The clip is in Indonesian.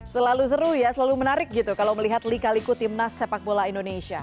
selalu seru ya selalu menarik gitu kalau melihat lika liku timnas sepak bola indonesia